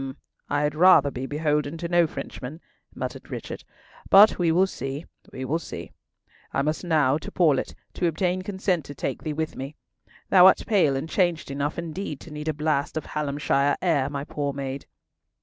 "Hm! I had rather be beholden to no Frenchman," muttered Richard, "but we will see, we will see. I must now to Paulett to obtain consent to take thee with me. Thou art pale and changed enough indeed to need a blast of Hallamshire air, my poor maid."